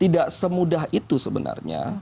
tidak semudah itu sebenarnya